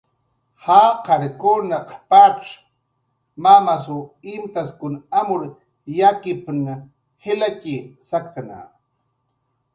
jaqarkunaq patz mamasw imtaskun amur yakipna jilatxi saktna